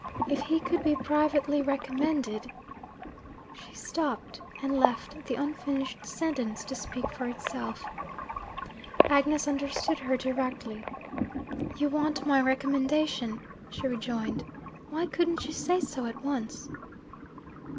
If he could be privately recommended ' She stopped, and left the unfinished sentence to speak for itself. Agnes understood her directly. 'You want my recommendation,' she rejoined. 'Why couldn't you say so at once?'